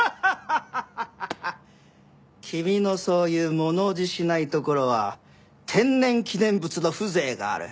君のそういう物怖じしないところは天然記念物の風情がある。